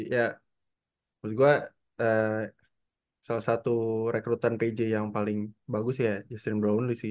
ya menurut gue salah satu rekrutan pj yang paling bagus ya justin brownly sih